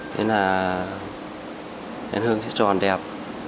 nên là nén hương sẽ tròn đẹp